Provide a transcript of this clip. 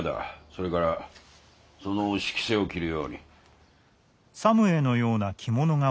それからそのお仕着せを着るように。